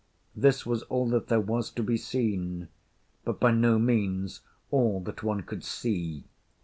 ’ This was all that there was to be seen; but by no means all that one could see.